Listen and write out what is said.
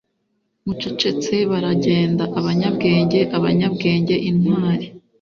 mucecetse baragenda, abanyabwenge, abanyabwenge, intwari